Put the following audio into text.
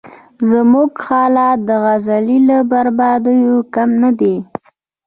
زموږ حالت د غزې له بربادیو کم نه دی.